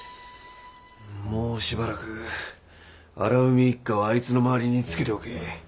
もうしばらく荒海一家をあいつの周りにつけておけ。